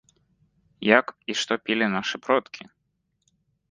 Як і што пілі нашы продкі?